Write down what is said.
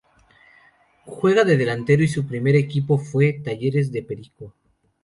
Juega de delantero y su primer equipo fue Talleres de Perico.